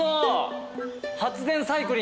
発電サイクリング。